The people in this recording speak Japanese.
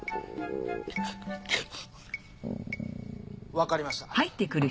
わかりました。